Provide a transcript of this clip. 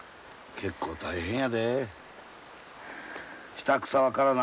結構大変や。